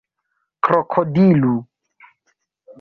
krokodilu